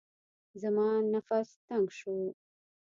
زما نفس تنګ شو.